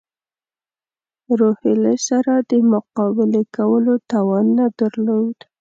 روهیله سره د مقابلې کولو توان نه درلود.